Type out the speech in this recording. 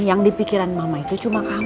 yang dipikiran mama itu cuma kamu